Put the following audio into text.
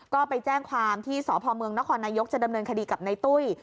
ก็ไปแจ้งความที่สพเมืองนครนายกจะดำเนินคดีกับในตุ้ย